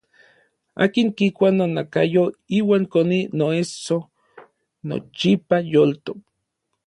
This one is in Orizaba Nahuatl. Akin kikua nonakayo iuan koni noesso nochipa yoltok.